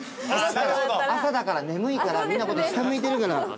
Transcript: ◆朝だから、眠いか、みんな下向いているから。